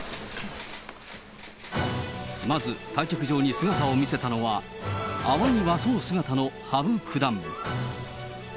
まず対局場に姿を見せたのは、淡い和装姿の羽生九段。